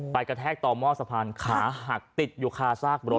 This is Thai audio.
กระแทกต่อหม้อสะพานขาหักติดอยู่คาซากรถ